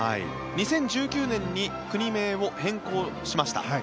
２０１９年に国名を変更しました。